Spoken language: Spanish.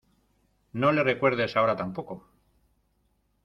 no le recuerdes ahora tampoco.